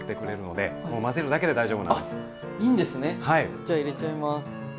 じゃ入れちゃいます。